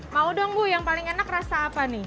mau dong bu yang paling enak rasa apa nih